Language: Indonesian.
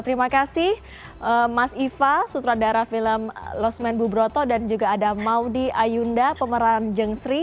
terima kasih mas iva sutradara film losman bubroto dan juga ada maudie ayunda pemeran jengsri